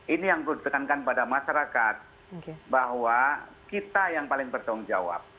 ini yang perlu ditekankan pada masyarakat bahwa kita yang paling bertanggung jawab